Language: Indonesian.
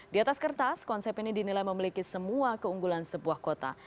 di atas kertas konsep ini dinilai memiliki semua keunggulan sebuah kota